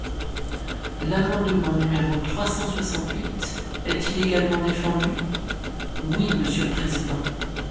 L’amendement numéro trois cent soixante-huit est-il également défendu ? Oui, monsieur le président.